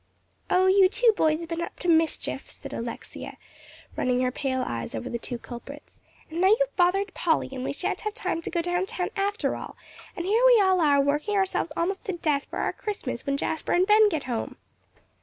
"Oh, you two boys have been up to mischief," said Alexia, running her pale eyes over the two culprits, "and now you've bothered Polly, and we shan't have time to go down town at all, and here we all are working ourselves almost to death for our Christmas when Jasper and Ben get home."